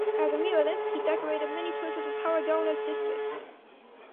As a muralist he decorated many churches of Tarragona’s districts.